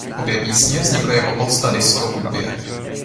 Obě písně vznikly jako pocta disco hudbě.